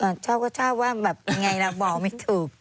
ชอบก็ชอบว่าแบบยังไงล่ะบอกไม่ถูก